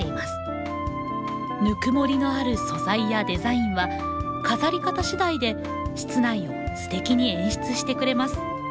ぬくもりのある素材やデザインは飾り方しだいで室内をステキに演出してくれます。